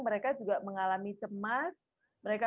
mereka juga mengalami cemas mereka